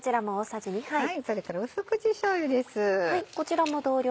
それから淡口しょうゆです。